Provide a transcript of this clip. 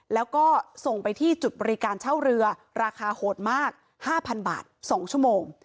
แล้วก็ส่งไปที่จุดบริการเช่าเรือราคาโหดมาก๕๐๐บาท๒ชั่วโมง